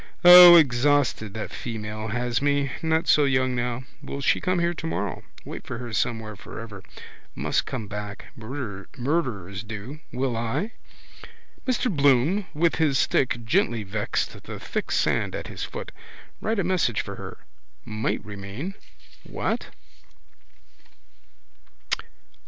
O! Exhausted that female has me. Not so young now. Will she come here tomorrow? Wait for her somewhere for ever. Must come back. Murderers do. Will I? Mr Bloom with his stick gently vexed the thick sand at his foot. Write a message for her. Might remain. What?